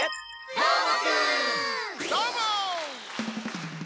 どーも！